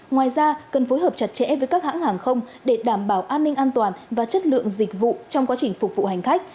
ngoài ra cần phối hợp chặt chẽ với các hãng hàng không để đảm bảo an ninh an toàn và chất lượng dịch vụ trong quá trình phục vụ hành khách